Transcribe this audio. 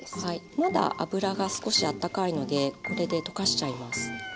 まだ油が少しあったかいのでこれで溶かしちゃいます。